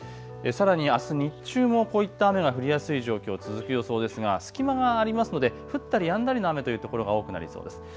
さらにあす日中もこういった雨が降りやすい状況、続く予想ですが隙間がありますので降ったりやんだりの雨という所が多くなりそうです。